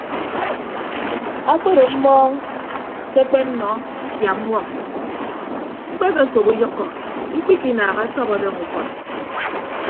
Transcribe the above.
Akpedo mmọọñ ke akpennọ yak ññwoñ mkpekokop uyʌkkọ ikpikinaaha asọp ọdọñ ukọd.